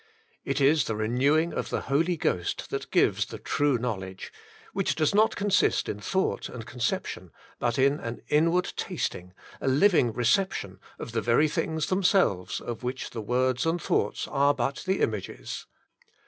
It is the renewing of the Holy Ghost that gives the true knowledge, which does not consist in thought and conception, but in an inward tasting, a living reception of the very things themselves of which the words and thoughts are but the images.